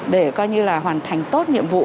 để hoàn thành tốt nhiệm vụ